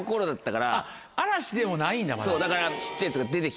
嵐でもないんだまだ。